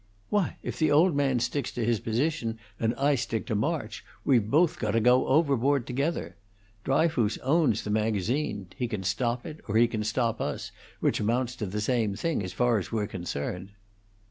"Why, if the old man sticks to his position, and I stick to March, we've both got to go overboard together. Dryfoos owns the magazine; he can stop it, or he can stop us, which amounts to the same thing, as far as we're concerned."